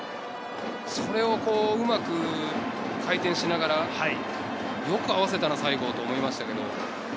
それをうまく回転しながらよく合わせたな、最後と思いましたけど。